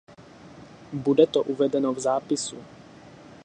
Bude to uvedeno v zápisu.